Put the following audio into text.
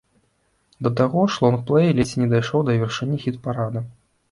Да таго ж лонгплэй ледзь не дайшоў да вяршыні хіт-параду.